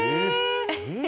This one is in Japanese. えっ？